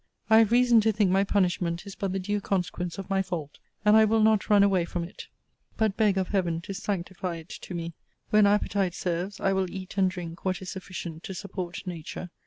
I have reason to think my punishment is but the due consequence of my fault, and I will not run away from it; but beg of Heaven to sanctify it to me. When appetite serves, I will eat and drink what is sufficient to support nature.